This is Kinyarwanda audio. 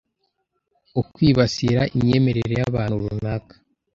Ukwibasira imyemerere y’abantu runaka